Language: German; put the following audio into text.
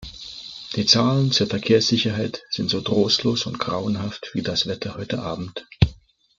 Die Zahlen zur Verkehrssicherheit sind so trostlos und grauenhaft wie das Wetter heute Abend.